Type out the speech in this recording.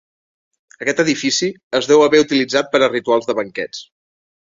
Aquest edifici es deu haver utilitzat per a rituals de banquets.